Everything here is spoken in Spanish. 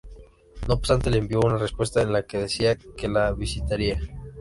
No obstante, le envió una respuesta en la que decía que la visitaría.